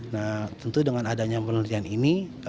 nah tentu dengan adanya penelitian ini